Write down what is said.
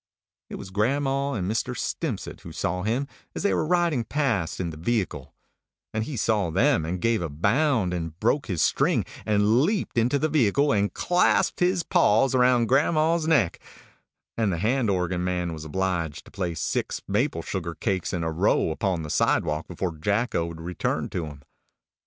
It was grandma and Mr. Stimpcett who saw him, as they were riding past in the vehicle; and he saw them, and gave a bound, and broke his string, and leaped into the vehicle, and clasped his paws round grandma's neck; and the hand organ man was obliged to place six maple sugar cakes in a row upon the sidewalk before Jacko would return to him.